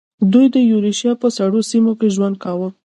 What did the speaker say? دوی د یوریشیا په سړو سیمو کې ژوند کاوه.